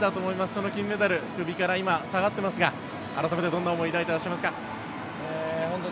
その金メダル首から今下がっていますが改めてどんな思いを抱いていらっしゃいますか？